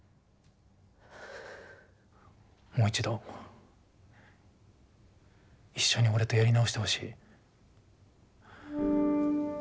もう一度一緒に俺とやり直してほしい。